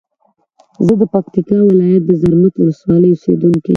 زه د پکتیا ولایت د زرمت ولسوالی اوسیدونکی یم.